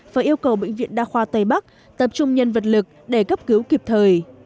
và yêu cầu bệnh viện đa khoa tây bắc tập trung nhân vật lực để cấp cứu kịp thời